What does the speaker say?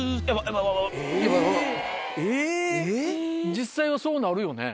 実際はそうなるよね。